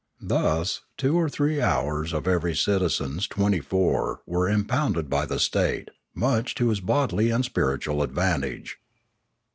Polity 537 Thus two or three hours of every citizen's twenty four were impounded by the state, much to his bodily and spiritual advantage.